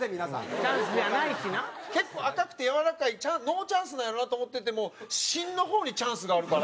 結構赤くてやわらかいノーチャンスなんやろなと思ってても芯の方にチャンスがあるから。